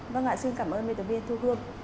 vâng ạ xin cảm ơn biên tập viên thu hương